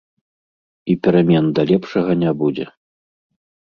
І перамен да лепшага не будзе.